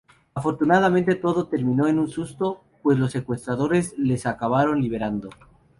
Afortunadamente, todo terminó en un susto, pues los secuestradores les acabaron liberando.